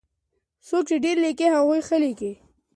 څوک چې ډېر ليکي هغوی ښه ليکي.